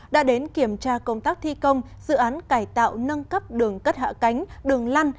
đã đến kiểm tra công tác thi công dự án cải tạo nâng cấp đường cất hạ cánh đường lăn